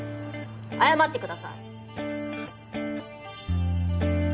謝ってください。